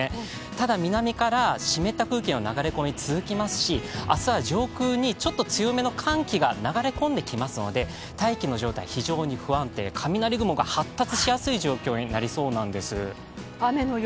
ただ南から湿った空気の流れ込みが続きますし、明日は上空にちょっと強めの寒気が流れ込んできますので大気の状態、非常に不安定雷雲が発達しやすい状況になりそうなんです。